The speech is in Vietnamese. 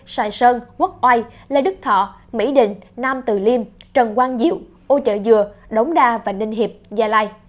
sài sơn quốc oai lê đức thọ mỹ đình nam từ liêm trần quang diệu ô chợ dừa đống đa và ninh hiệp gia lai